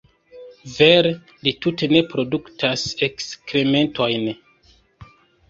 Vere, li tute ne produktas ekskrementojn.